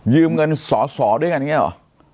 เงินสอสอด้วยกันอย่างนี้หรอ